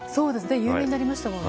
有名になりましたよね。